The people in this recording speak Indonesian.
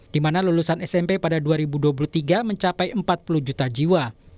di mana lulusan smp pada dua ribu dua puluh tiga mencapai empat puluh juta jiwa